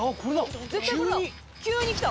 絶対これだ急に来た。